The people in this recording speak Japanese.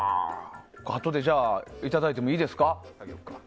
あとでいただいてもいいですか。